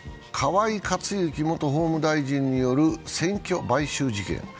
河井克行元法務大臣による選挙買収事件。